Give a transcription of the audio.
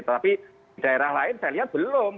tetapi di daerah lain saya lihat belum